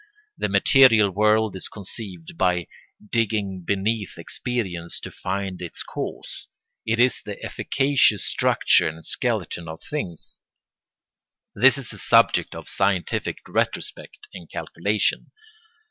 The material world is conceived by digging beneath experience to find its cause; it is the efficacious structure and skeleton of things. This is the subject of scientific retrospect and calculation.